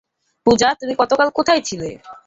পূজা, তুমি গতকাল কোথায় ছিলে?